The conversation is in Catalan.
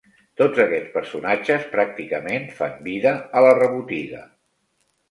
Tots aquests personatges pràcticament fan vida a la rebotiga.